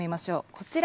こちら。